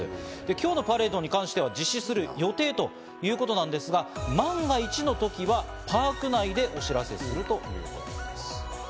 今日のパレードに関しては実施する予定ということなんですが、万が一の時はパーク内でお知らせするということです。